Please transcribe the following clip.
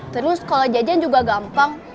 terus kalau jajan juga gampang